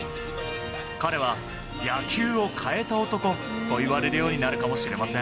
彼は野球を変えた男といわれるようになるかもしれません。